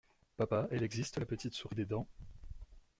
Papa elle existe la petite souris des dents?